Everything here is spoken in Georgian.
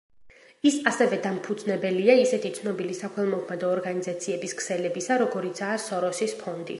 ის ასევე დამფუძნებელია ისეთი ცნობილი საქველმოქმედო ორგანიზაციების ქსელებისა, როგორიცაა „სოროსის ფონდი“.